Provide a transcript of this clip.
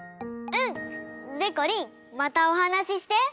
うん！でこりんまたお話しして！